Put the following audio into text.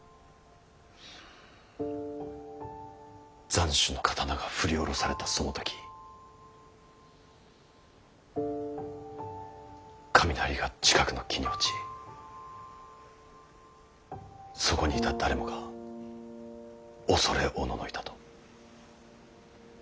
斬首の刀が振り下ろされたその時雷が近くの木に落ちそこにいた誰もが恐れおののいたと。